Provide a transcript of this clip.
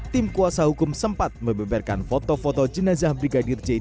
tim kuasa hukum sempat membeberkan foto foto jenazah brigadir j